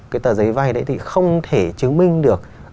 cái tờ giấy vay đấy thì không thể chứng minh được